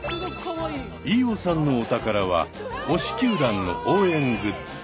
飯尾さんのお宝は推し球団の応援グッズ。